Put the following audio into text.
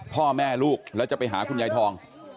พ่อแม่ลูกแล้วจะไปหาคุณยายทอง